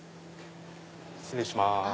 失礼します